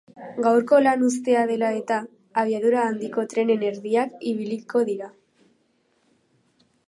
Gaurko lan uztea dela eta, abiadura handiko trenen erdiak ibiliko dira.